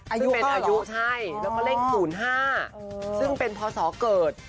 อายุเขาเหรอใช่แล้วก็เลข๐๕ซึ่งเป็นพอสอเกิด